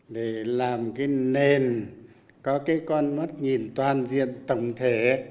để làm cái nền có cái con mắt nhìn toàn diện tổng thể